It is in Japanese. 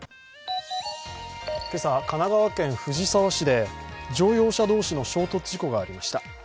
今朝、神奈川県藤沢市で乗用車同士の衝突事故がありました。